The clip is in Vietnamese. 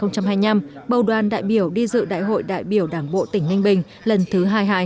nhiệm kỳ hai nghìn hai mươi hai nghìn hai mươi năm bầu đoàn đại biểu đi dự đại hội đại biểu đảng bộ tỉnh ninh bình lần thứ hai mươi hai